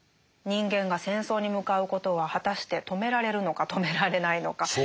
人間が戦争に向かうことは果たして止められるのか止められないのか。